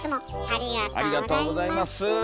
ありがとうございます。